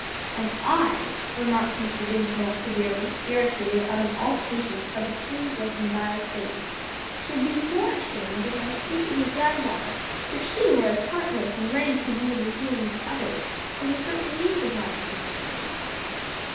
"And I," remarked Mr. Dinsmore severely, irritated out of all patience by the pained look in Vi's face, "should be more ashamed of my sweet little granddaughter if she were as heartless and ready to wound the feelings of others as a certain niece of mine seems to be."